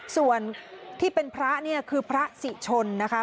ส่วนที่เป็นพระเนี่ยคือพระสิชนนะคะ